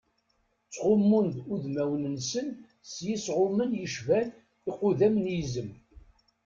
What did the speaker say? Ttɣummun-d udmawen-nsen s yisɣumen yecban iqudam n yizem.